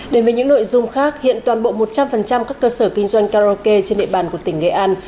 đến với những nội dung khác hiện toàn bộ một trăm linh các cơ sở kinh doanh karaoke trên địa bàn của tỉnh nghệ an